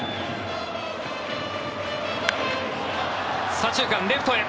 左中間、レフトへ。